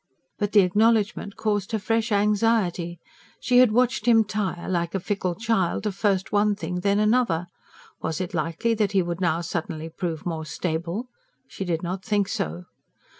But the acknowledgment caused her fresh anxiety. She had watched him tire, like a fickle child, of first one thing, then another; was it likely that he would now suddenly prove more stable? She did not think so.